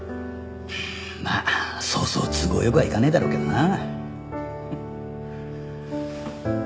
まあそうそう都合良くはいかねえだろうけどな。